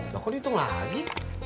kok dihitung lagi